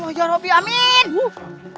ternyata prabu amuk marhul